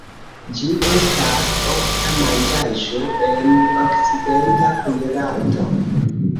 Ĝi estas ofta manĝaĵo en okcidenta kuirarto.